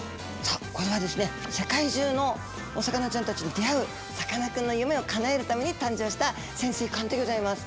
これはですね世界中のお魚ちゃんたちに出会うさかなクンの夢をかなえるために誕生した潜水艦でギョざいます。